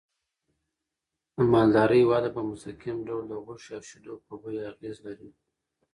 د مالدارۍ وده په مستقیم ډول د غوښې او شیدو په بیو اغېز لري.